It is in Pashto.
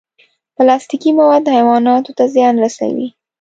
پلاستيکي مواد حیواناتو ته زیان رسوي.